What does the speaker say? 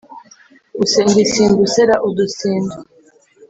usenda isimbo usera udusindu.